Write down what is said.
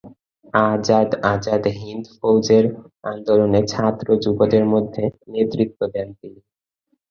আজাদ আজাদ হিন্দ ফৌজের আন্দোলনে ছাত্র-যুবদের মধ্যে নেতৃত্ব দেন তিনি।